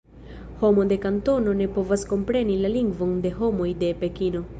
Homo de Kantono ne povas kompreni la lingvon de homoj de Pekino.